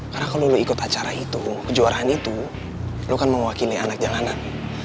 karena kalau lo ikut acara itu kejuaraan itu lo kan mengwakili anak jalanan